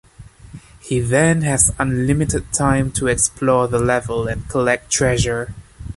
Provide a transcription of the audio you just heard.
He then has unlimited time to explore the level and collect treasure.